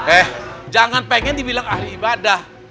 eh jangan pengen dibilang ahli ibadah